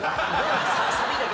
サビだけ。